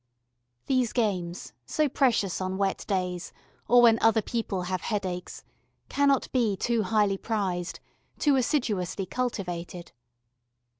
These games, so precious on wet days, or when other people have headaches, cannot be too highly prized, too assiduously cultivated.